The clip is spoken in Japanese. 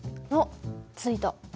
あっついた。